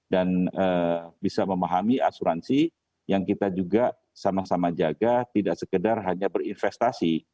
dan bisa memahami asuransi yang kita juga sama sama jaga tidak sekedar hanya berinvestasi